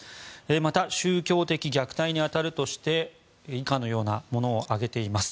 また宗教的虐待に当たるとして以下のようなものを挙げています。